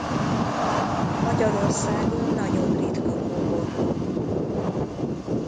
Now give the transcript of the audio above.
Magyarországon nagyon ritka kóborló.